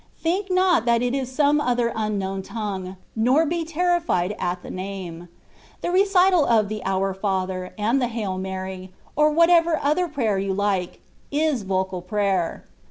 Think not that it is some other unknown tongue, nor be terrified at the name. The recital of the ^^ Our Father ^' and the '^ Hail Mary,'^ or whatever other prayer you like, is vocal prayer.